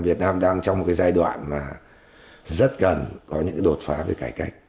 việt nam đang trong một giai đoạn rất gần có những đột phá về cải cách